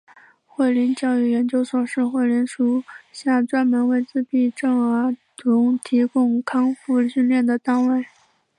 慧灵教育研究所是慧灵属下专门为自闭症儿童提供康复训练的单位。